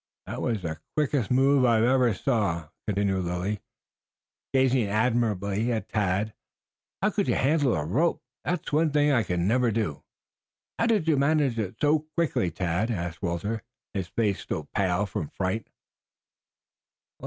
That was the quickest move I ever saw," continued Lilly, gazing admiringly at Tad. "How you can handle a rope! That's one thing I never could do." "How did you manage it so quickly, Tad?" asked Walter, his face still pale from fright.